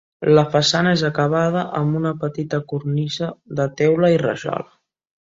La façana és acabada amb una petita cornisa de teula i rajola.